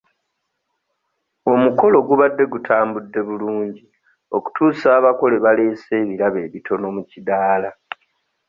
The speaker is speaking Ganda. Omukolo gubadde gutambudde bulungi okutuusa abako lwe baleese ebirabo ebitono mu kiddaala.